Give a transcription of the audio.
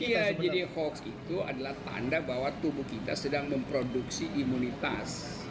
iya jadi hoax itu adalah tanda bahwa tubuh kita sedang memproduksi imunitas